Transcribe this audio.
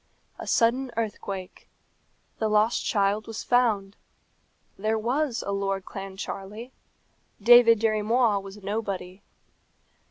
A sudden earthquake. The lost child was found. There was a Lord Clancharlie; David Dirry Moir was nobody.